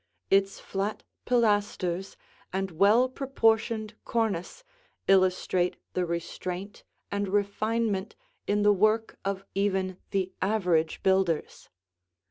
Its flat pilasters and well proportioned cornice illustrate the restraint and refinement in the work of even the average builders.